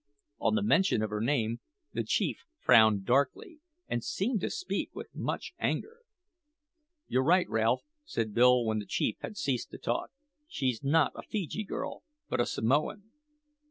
On the mention of her name the chief frowned darkly, and seemed to speak with much anger. "You're right, Ralph," said Bill when the chief had ceased to talk; "she's not a Feejee girl, but a Samoan.